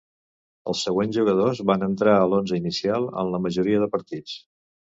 Els següents jugadors van entrar a l'onze inicial en la majoria de partits.